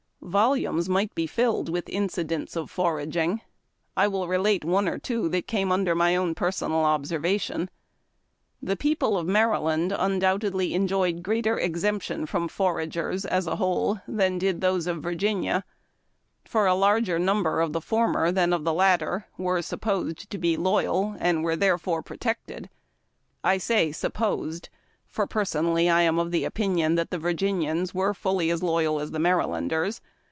Volumes might be filled with incidents of foraging. I will relate one or two that came under my own personal observation. The people of Maryland undoubtedly enjoyed greater exemption from foragers, as a whole, than did those of Virginia, for a larger number of the former than of the 244 HAIW TACK AND COFFEE. latter were supposed to be loyal and were therefore pro tected. I say supposed., for personally I am of the opinion that the Virginians were fully as loyal as the Marylanders.